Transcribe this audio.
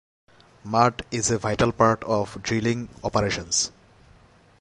Mud is a vital part of drilling operations.